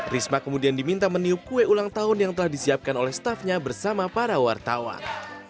risma kemudian diminta meniup kue ulang tahun yang telah disiapkan oleh staffnya bersama para wartawan